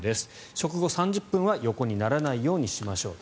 食後３０分は横にならないようにしましょうと。